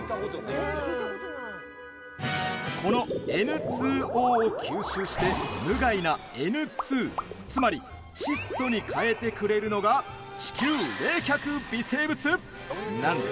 このＮ２Ｏを吸収して無害なＮ２つまり窒素に変えてくれるのが地球冷却微生物なんです。